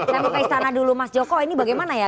saya mau ke istana dulu mas joko ini bagaimana ya